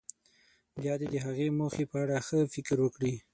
بیا دې د هغې موخې په اړه ښه فکر وکړي.